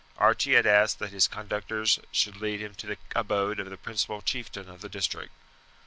Archie had asked that his conductors should lead him to the abode of the principal chieftain of the district.